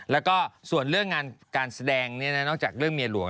แล้วก็ส่วนเรื่องงานการแสดงนอกจากเรื่องเมียหลวง